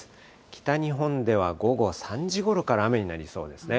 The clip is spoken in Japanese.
北日本では午後３時ごろから雨になりそうですね。